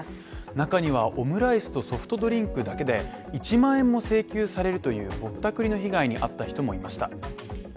中にはオムライスとソフトドリンクだけで１万円も請求されるというボッタクリの被害に遭った人もいました。